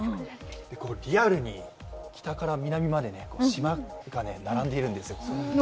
リアルに北から南まで島が並んでいるんですよ。